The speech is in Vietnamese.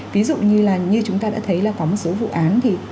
ví dụ như là như chúng ta đã thấy là có một số vụ án